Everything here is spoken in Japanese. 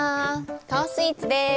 カオス・イーツです。